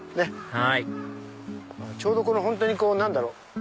はいちょうど本当に何だろう。